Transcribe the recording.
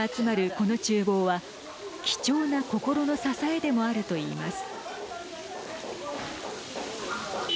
このちゅう房は貴重な心の支えでもあるといいます。